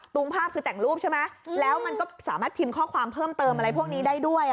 งภาพคือแต่งรูปใช่ไหมแล้วมันก็สามารถพิมพ์ข้อความเพิ่มเติมอะไรพวกนี้ได้ด้วย